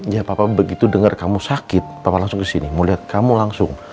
ya papa begitu dengar kamu sakit papa langsung ke sini mau liat kamu langsung